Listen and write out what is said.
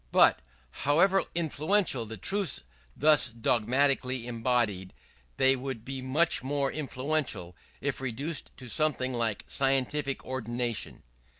But, however influential the truths thus dogmatically embodied, they would be much more influential if reduced to something like scientific ordination.